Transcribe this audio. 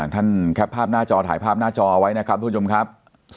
แคปภาพหน้าจอถ่ายภาพหน้าจอเอาไว้นะครับทุกผู้ชมครับ